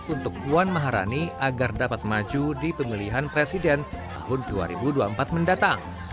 untuk puan maharani agar dapat maju di pemilihan presiden tahun dua ribu dua puluh empat mendatang